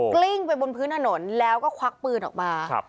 กลิ้งไปบนพื้นถนนแล้วก็ควักปืนออกมา